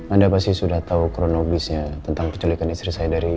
anda pasti sudah tahu kronobisnya tentang peculikan istri saya dari rendy kan